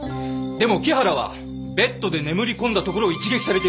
でも木原はベッドで眠り込んだところを一撃されています。